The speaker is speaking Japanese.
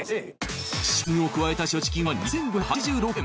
賞金を加えた所持金は２，５８６円。